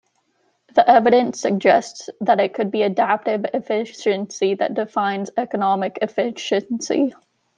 The evidence suggests that it could be adaptive efficiency that defines economic efficiency.